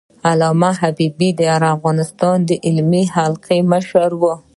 علامه حبيبي د افغانستان د علمي حلقو مشر و.